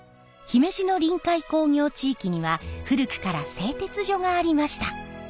姫路の臨海工業地域には古くから製鉄所がありました。